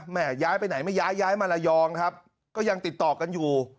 ย้ายไปไหนไม่ย้ายย้ายมาระยองครับก็ยังติดต่อกันอยู่